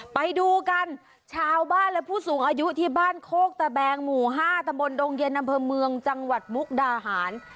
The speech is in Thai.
ไปดูกันชาวบ้านและผู้สูงอายุที่บ้านโคกตะแบงหมู่๕ตำบลดงเย็นอำเภอเมืองจังหวัดมุกดาหาร